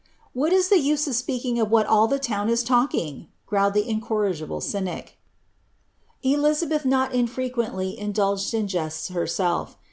"What is ihe use of speaking of what all ihe lown is talking^ growled ihe incorrigible cynic' F.lizabeih not unfrequently indulged in jeats heraeir.